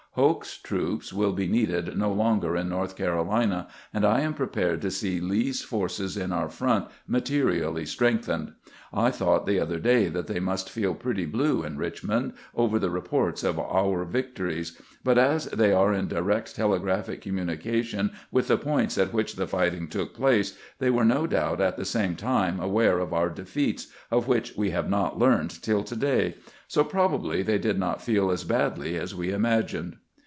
Hoke's troops wiU be needed no longer in North Carolina, and I am prepared to see Lee's forces in our front materially strengthened. I BAD NEWS 125 thought the other day that they must feel pretty blue in Eiehmorid over the reports of our victories ; but as they are in direct telegraphic communication with the points at which the fighting took place, they were no doubt at the same time aware of our defeats, of which we have not learned till to day ; so probably they did not feel as badly as we imagined."